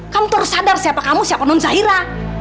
kamu harus sadar siapa kamu siapa non zahira